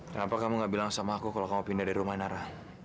kenapa kamu gak bilang sama aku kalau kamu pindah dari rumah narah